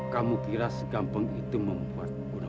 kamu kira segampang itu membuat mudah mudahan